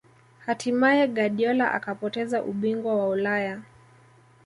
hatimaye guardiola akapoteza ubingwa wa ulaya